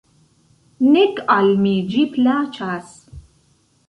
Nek al mi ĝi plaĉas.